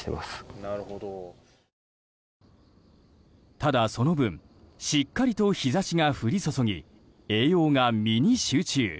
ただその分しっかりと日差しが降り注ぎ栄養が実に集中。